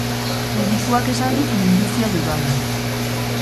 Medikuak esan dit minbizia dudala.